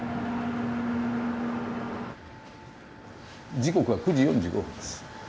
時刻は９時４５分です。